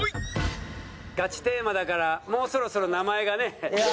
ガチテーマだからもうそろそろ名前がね。